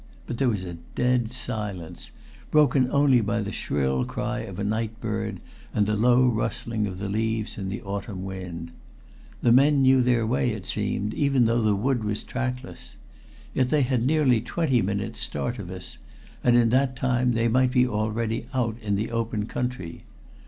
But there was a dead silence, broken only by the shrill cry of a night bird and the low rustling of the leaves in the autumn wind. The men knew their way, it seemed, even though the wood was trackless. Yet they had nearly twenty minutes start of us, and in that time they might be already out in the open country.